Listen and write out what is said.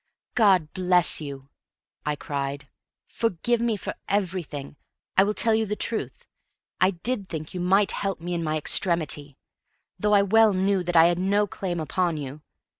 "God bless you!" I cried. "Forgive me for everything. I will tell you the truth. I DID think you might help me in my extremity, though I well knew that I had no claim upon you.